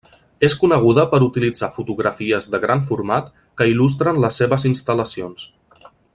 És coneguda per utilitzar fotografies de gran format que il·lustren les seves instal·lacions.